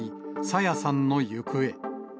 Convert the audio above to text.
朝芽さんの行方。